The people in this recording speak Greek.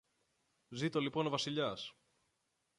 Ζήτω λοιπόν ο Βασιλιάς!